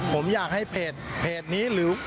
ผมอยากให้เพจนี้หรือ